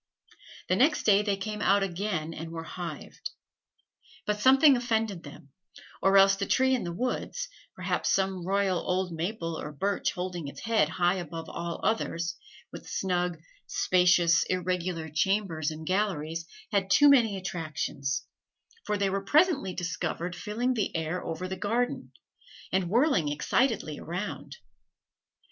The next day they came out again, and were hived. But something offended them, or else the tree in the woods perhaps some royal old maple or birch holding its head high above all others, with snug, spacious, irregular chambers and galleries had too many attractions; for they were presently discovered filling the air over the garden, and whirling excitedly around.